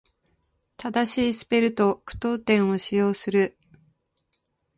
正しいスペルと句読点を使用する。